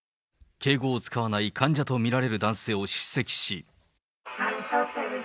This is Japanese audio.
敬語を使わない患者と見られる男性を叱責し。